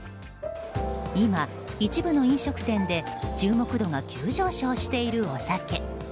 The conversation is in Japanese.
今、一部の飲食店で注目度が急上昇しているお酒。